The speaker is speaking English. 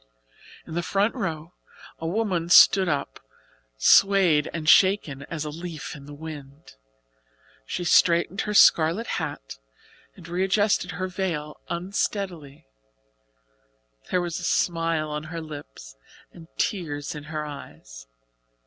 In the front row a woman stood up, swayed and shaken as a leaf in the wind. She straightened her scarlet hat and readjusted her veil unsteadily. There was a smile on her lips and tears in her eyes.